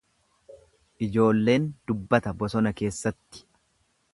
Ijoolleen dubbata bosona keessatti.